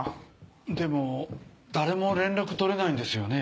でも誰も連絡取れないんですよね？